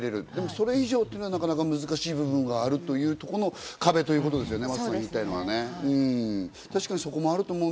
それ以上というのは、なかなか難しい部分があるというところの壁ということですよね。